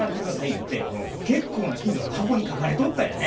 ゆうて結構な金額が箱に書かれとったんやね。